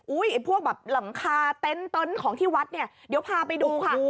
ไอ้พวกแบบหลังคาเต็นต์ของที่วัดเนี่ยเดี๋ยวพาไปดูค่ะ